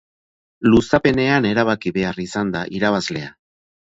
Luzapenean erabaki behar izan da irabazlea.